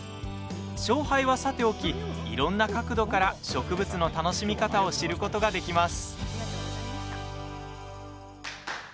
勝敗は、さておきいろんな角度から植物の楽しみ方を知ることができます。